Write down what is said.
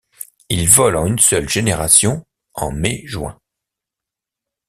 Il vole en une seule génération en mai juin.